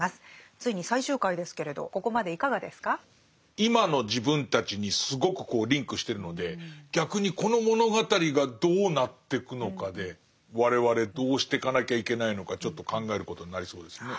今の自分たちにすごくこうリンクしてるので逆にこの物語がどうなってくのかで我々どうしてかなきゃいけないのかちょっと考えることになりそうですね。